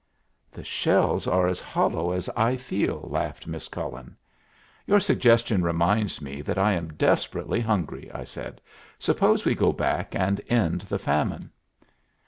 "The shells are as hollow as I feel," laughed Miss Cullen. "Your suggestion reminds me that I am desperately hungry," I said. "Suppose we go back and end the famine."